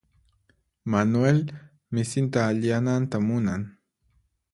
Manuel misinta allinyananta munan.